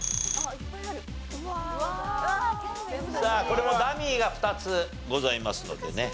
これもダミーが２つございますのでね。